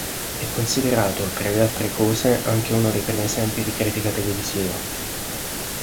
È considerato, tra le altre cose, anche uno dei primi esempi di critica televisiva.